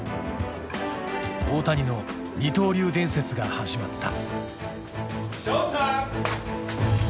大谷の二刀流伝説が始まった。